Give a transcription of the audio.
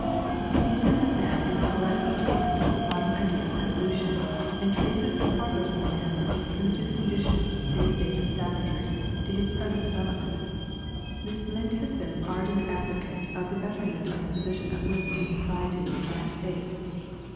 'The Ascent of Man' is a poetical treatment of the modern idea of evolution, and traces the progress of man from his primitive condition in a state of savagery to his present development. Miss Blind has been an ardent advocate of the betterment of the position of woman in society and the State.